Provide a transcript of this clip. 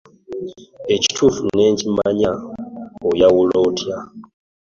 Ekituufu n'ekikyamu oyawula otya?